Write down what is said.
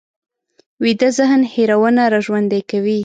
ویده ذهن هېرونه راژوندي کوي